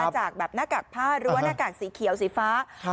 จากแบบหน้ากากผ้าหรือว่าหน้ากากสีเขียวสีฟ้า